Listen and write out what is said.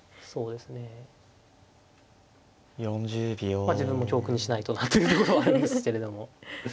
まあ自分も教訓にしないとなというところはあるんですけれども。